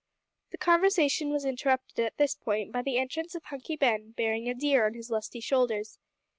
The conversation was interrupted at this point by the entrance of Hunky Ben bearing a deer on his lusty shoulders.